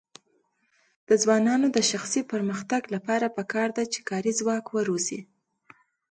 د ځوانانو د شخصي پرمختګ لپاره پکار ده چې کاري ځواک روزي.